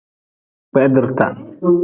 Kpehdrita.